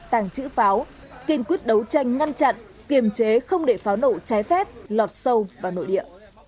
tàng trữ pháo kiên quyết đấu tranh ngăn chặn kiềm chế không để pháo nổ trái phép lọt sâu vào nội địa